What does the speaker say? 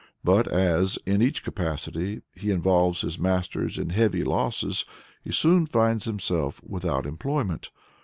But as, in each capacity, he involves his masters in heavy losses, he soon finds himself without employment.